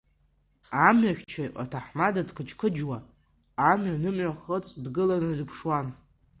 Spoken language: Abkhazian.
Амҩахьчаҩ-аҭаҳмада дқыџьқыџьуа, амҩа нымҩахыҵ дгыланы дыԥшуан.